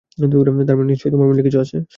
তার মানে নিশ্চয় তোমার মনে কিছু আছে।